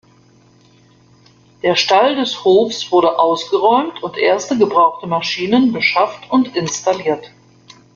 Der Stall des Hofs wurde ausgeräumt und erste gebrauchte Maschinen beschafft und installiert.